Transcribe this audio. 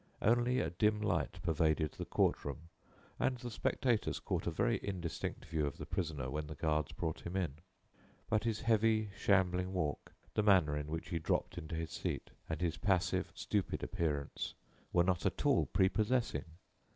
Only a dim light pervaded the courtroom, and the spectators caught a very indistinct view of the prisoner when the guards brought him in. But his heavy, shambling walk, the manner in which he dropped into his seat, and his passive, stupid appearance were not at all prepossessing.